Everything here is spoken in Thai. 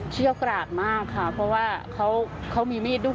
เชี่ยวกราดมากค่ะเพราะว่าเขามีมีดด้วย